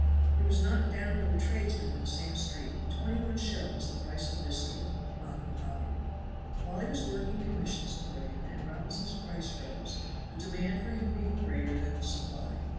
He was knocked down to a tradesman in the same street twenty one shillings the price of this door (mock mahogany). While he was working commissions poured in and Robinson's price rose, the demand for him being greater than the supply.